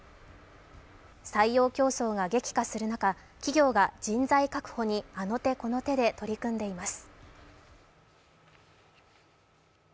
採用競争が激化する中企業が人材確保にあの手この手で取り組んでいます。